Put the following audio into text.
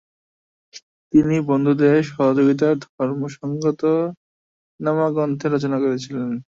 তিনি বন্ধুদের সহযোগিতায় “ ধর্ম সঙ্গিত” নামক গ্রন্থের রচনা করেছিলেন।